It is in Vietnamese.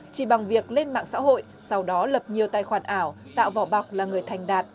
chỉ bằng việc lên mạng xã hội sau đó lập nhiều tài khoản ảo tạo vỏ bọc là người thành đạt